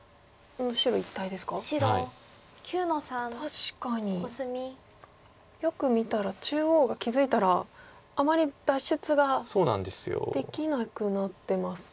確かによく見たら中央が気付いたらあまり脱出ができなくなってますか。